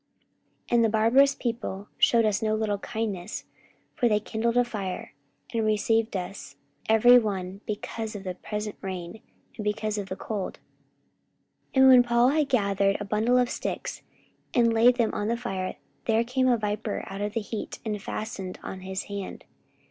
44:028:002 And the barbarous people shewed us no little kindness: for they kindled a fire, and received us every one, because of the present rain, and because of the cold. 44:028:003 And when Paul had gathered a bundle of sticks, and laid them on the fire, there came a viper out of the heat, and fastened on his hand.